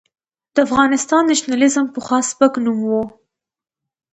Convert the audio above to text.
د افغان نېشنلېزم پخوا سپک نوم و.